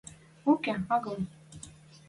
– Уке, агыл...